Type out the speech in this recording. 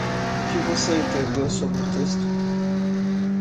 O que você entedeu sobre o texto?